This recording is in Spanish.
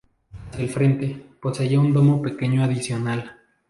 Hacia el frente, poseía un domo pequeño adicional.